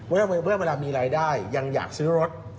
เมื่อเวลามีรายได้ยังอยากซื้อรถ